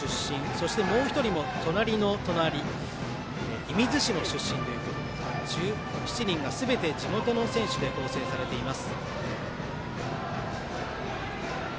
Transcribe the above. そして、もう１人も隣の隣射水市の出身ということで１７人がすべて地元の選手で構成されています。